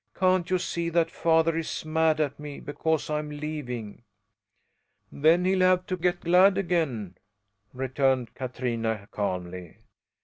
"Can't you see that father is mad at me because I'm leaving?" "Then he'll have to get glad again," returned Katrina, calmly.